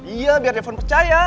iya biar depon percaya